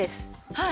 はい。